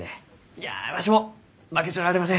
いやわしも負けちょられません。